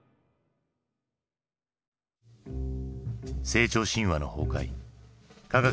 成長神話の崩壊科学